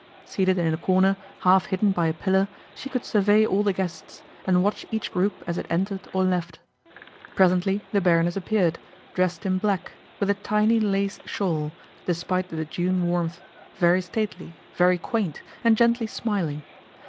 Seated in a corner, half hidden by a pillar, she could survey all the guests, and watch each group as it entered or left. Presently the Baroness appeared, dressed in black, with a tiny lace shawl, despite the June warmth; very stately, very quaint, and gently smiling.